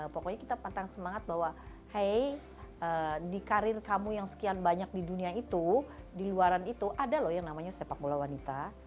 pokoknya kita pantang semangat bahwa hey di karir kamu yang sekian banyak di dunia itu di luaran itu ada loh yang namanya sepak bola wanita